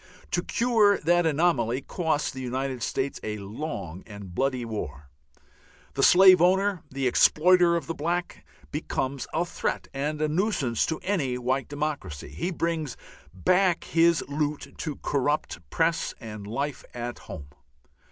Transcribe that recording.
To cure that anomaly cost the United States a long and bloody war. The slave owner, the exploiter of the black, becomes a threat and a nuisance to any white democracy. He brings back his loot to corrupt Press and life at home.